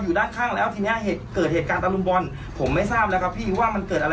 สนุนโดยสายการบินไทยนครปวดท้องเสียขับลมแน่นท้อง